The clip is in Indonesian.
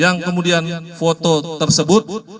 yang kemudian foto tersebut